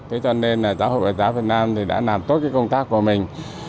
thế cho nên là giáo hội phật giáo việt nam thì đã làm tốt cái công tác của mình